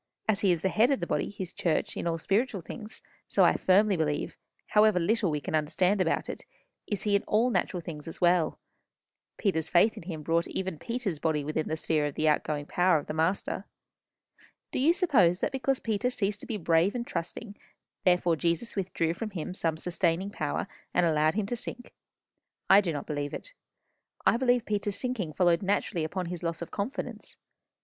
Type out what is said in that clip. As he is the head of the body, his church, in all spiritual things, so I firmly believe, however little we can understand about it, is he in all natural things as well. Peter's faith in him brought even Peter's body within the sphere of the outgoing power of the Master. Do you suppose that because Peter ceased to be brave and trusting, therefore Jesus withdrew from him some sustaining power, and allowed him to sink? I do not believe it. I believe Peter's sinking followed naturally upon his loss of confidence.